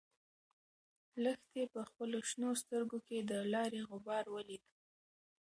لښتې په خپلو شنه سترګو کې د لارې غبار ولید.